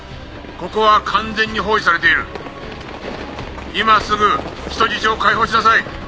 ここは完全に包囲されている」「今すぐ人質を解放しなさい」